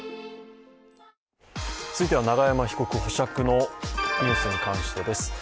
続いては永山被告保釈のニュースに関してです。